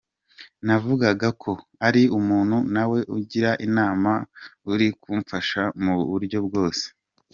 Navuga ko ari umuntu nawe ungira inama uri kumfasha mu buryo bwose.